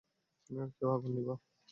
কেউ আগুন নিভাও।